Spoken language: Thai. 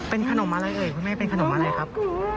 เป็นขนมอะไรเอ่ยคุณแม่เป็นขนมอะไรครับ